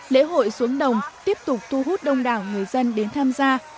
lễ hội xuống đồng tiếp tục thu hút đông đảo người dân đến tham gia